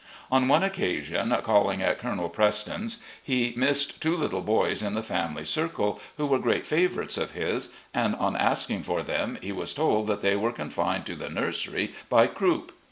On one occasion, calling at Colonel Preston's, he missed two httle boys in the family circle, who were great favour ites of his, and on asking for them he was told that they were confined to the nursery by croup.